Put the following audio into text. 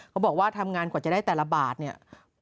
เขาบอกว่าทำงานกว่าจะได้แต่ละบาทเนี่ย